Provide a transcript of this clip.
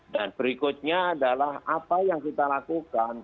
berikutnya adalah apa yang kita lakukan